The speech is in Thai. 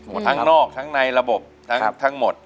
ทั้งนอกทั้งในระบบทั้งหมด